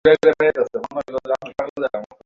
ওই যে পার্সেনদের দল।